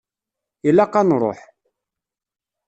Ilaq ad nruḥ.